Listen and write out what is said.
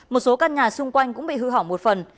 một số căn nhà xung quanh cũng bị hư hỏng một phần